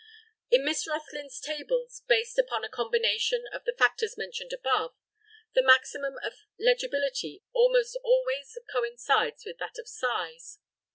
In Miss Roethlin's tables, based upon a combination of the factors mentioned above, the maximum of legibility almost always coincides with that of size.